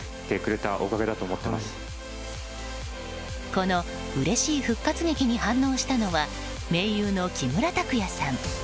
このうれしい復活劇に反応したのは盟友の木村拓哉さん。